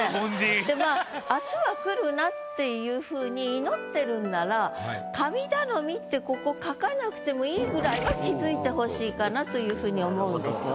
でまあ「明日は来るな」っていう風に祈ってるんなら「神頼み」ってここぐらいは気づいてほしいかなという風に思うんですよね。